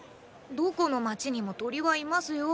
どこの街にも鳥はいますよ。